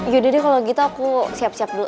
yaudah deh kalau gitu aku siap siap dulu